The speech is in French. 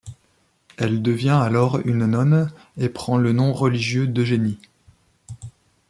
Elle devient alors une nonne et prend le nom religieux d'Eugénie.